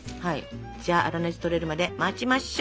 じゃあ粗熱とれるまで待ちましょ。